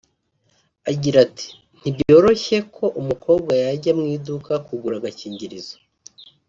Agira ati "Ntibyoroshye ko umukobwa yajya mu iduka kugura agakingirizo